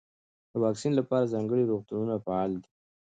د واکسین لپاره ځانګړي روغتونونه فعال دي.